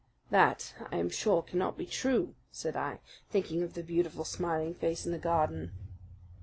"That, I am sure, cannot be true," said I, thinking of the beautiful smiling face in the garden.